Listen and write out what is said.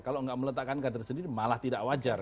kalau nggak meletakkan kader sendiri malah tidak wajar